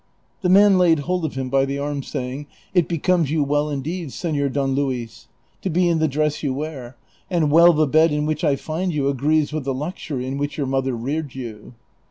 The man laid hold of him by the arm, saying, " It becomes you well indeed, Senor Don Luis, to be in the dress you wear, and well the bed in which I find you agrees with the luxury in which your mother reared you."